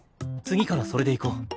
次からそれでいこう。